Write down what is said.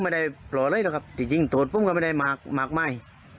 ไม่ได้ปลออะไรหรอกครับจริงตรวจปุ้มก็ไม่ได้มากมากมาย